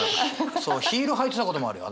そうヒール履いてたこともあるよ